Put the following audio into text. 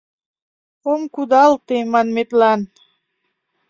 «Ом кудалте» манметлан.